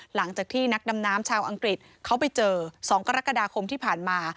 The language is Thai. หลังจากที่นักดำน้ำชาวอังกฤษเขาไปเจอ๒กรกฎาคมที่ผ่านมา